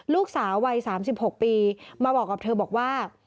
ลูกสาววัย๓๖ปีมาบอกกับเธอบอกว่า